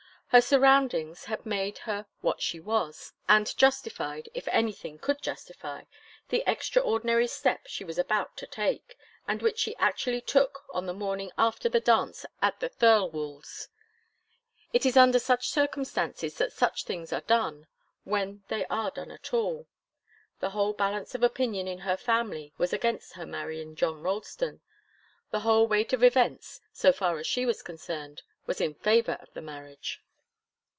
Her surroundings had made her what she was, and justified, if anything could justify, the extraordinary step she was about to take, and which she actually took on the morning after the dance at the Thirlwalls'. It is under such circumstances that such things are done, when they are done at all. The whole balance of opinion in her family was against her marrying John Ralston. The whole weight of events, so far as she was concerned, was in favour of the marriage.